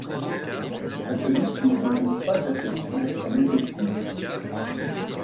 Cette liste ne doit donc pas être considérée comme exhaustive.